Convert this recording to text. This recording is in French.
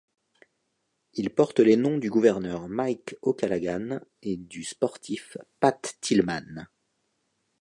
Il porte les noms du gouverneur Mike O'Callaghan et du sportif Pat Tillman.